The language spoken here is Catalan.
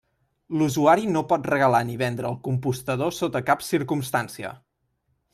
L'usuari no pot regalar ni vendre el compostador sota cap circumstància.